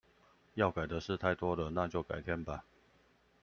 要改的事太多了，那就改天吧